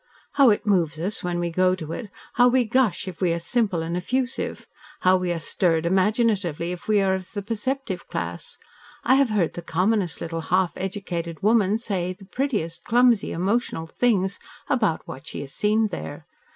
How it moves us when we go to it, how we gush if we are simple and effusive, how we are stirred imaginatively if we are of the perceptive class. I have heard the commonest little half educated woman say the prettiest, clumsy, emotional things about what she has seen there.